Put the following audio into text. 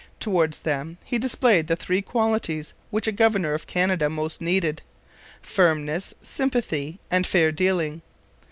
Towards them he displayed the three qualities which a governor of Canada most needed firmness, sympathy, and fair dealing.